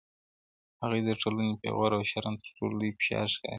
• هغې ته د ټولني پېغور او شرم تر ټولو لوی فشار ښکاري..